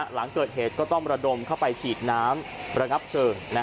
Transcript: หลังเกิดเหตุก็ต้องระดมเข้าไปฉีดน้ำระงับเชิง